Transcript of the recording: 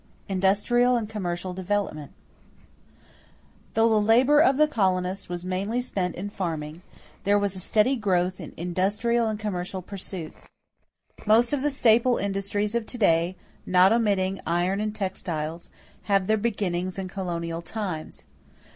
INDUSTRIAL AND COMMERCIAL DEVELOPMENT Though the labor of the colonists was mainly spent in farming, there was a steady growth in industrial and commercial pursuits. Most of the staple industries of to day, not omitting iron and textiles, have their beginnings in colonial times.